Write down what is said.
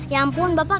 ya ampun bapak